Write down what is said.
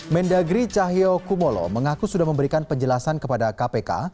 mendagri cahyo kumolo mengaku sudah memberikan penjelasan kepada kpk